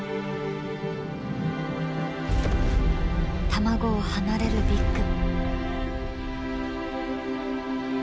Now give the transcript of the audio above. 卵を離れるビッグ。